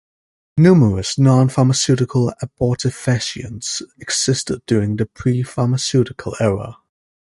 Numerous non-pharmaceutical abortifacients existed during the pre-pharmaceutical era.